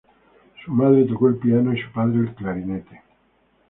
Su madre tocó el piano y su padre el clarinete.